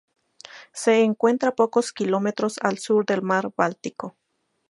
Se encuentra a pocos kilómetros al sur del mar Báltico.